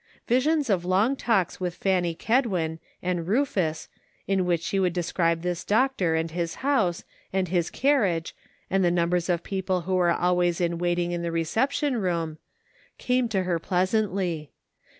Visions of long talks with Fanny Kedwin, and Rufus, in which she would describe this doctor and his house, and his carriage, and the numbers of people who were always in waiting in the re ception room, came to her pleasantly.